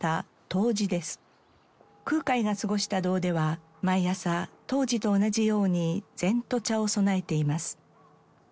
空海が過ごした堂では毎朝当時と同じように膳と茶を供えています。